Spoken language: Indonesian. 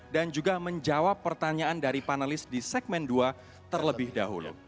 dan juga menjawab pertanyaan dari panelis di segmen dua terlebih dahulu